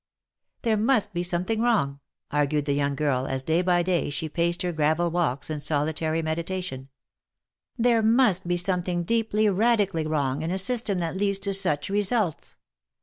" There must be something wrong," argued the young girl, as day by day she paced her gravel walks in solitary meditation ;" there must be something deeply, radically wrong in a system that leads to such results.